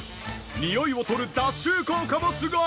においを取る脱臭効果もすごい！